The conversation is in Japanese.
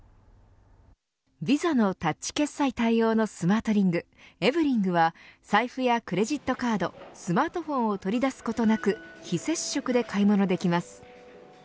ＶＩＳＡのタッチ決済対応のスマートリングＥＶＥＲＩＮＧは財布やクレジットカードスマートフォンを取り出すことなく非接触で買い物ができます。